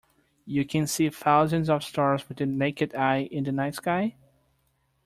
You can see thousands of stars with the naked eye in the night sky?